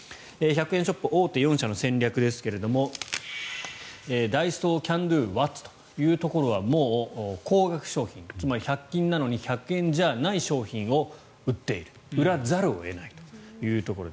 １００円ショップ大手４社の戦略ですがダイソー、キャンドゥワッツというところはもう高額商品つまり１００均なのに１００円じゃない商品を売っている売らざるを得ないというところ。